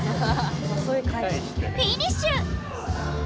フィニッシュ！